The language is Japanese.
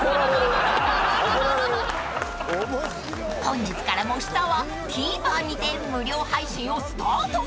［本日から『もしツア』はＴＶｅｒにて無料配信をスタート］